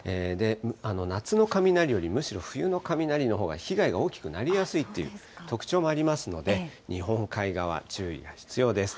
夏の雷より、むしろ冬の雷のほうが被害が大きくなりやすいという特徴もありますので、日本海側、注意が必要です。